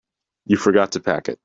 You forgot to pack it.